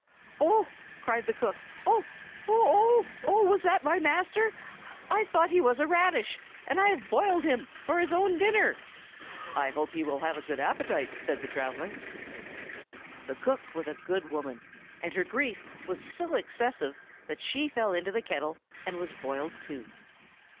"Oh!" cried the cook. "Oh! oh!! o o o h!!! was that my master? Why, I thought he was a radish, and I have boiled him for his own dinner!" "I hope he will have a good appetite!" said the traveller. The cook was a good woman, and her grief was so excessive that she fell into the kettle and was boiled too.